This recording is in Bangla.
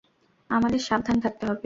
আমাদের সাবধান থাকতে হবে।